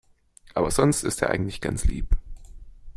Aber sonst ist er eigentlich ganz lieb.